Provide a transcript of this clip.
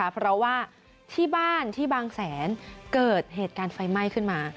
เพราะว่าที่บ้านที่บางแสนเกิดเหตุการณ์ไฟไหม้ขึ้นมา